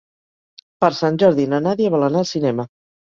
Per Sant Jordi na Nàdia vol anar al cinema.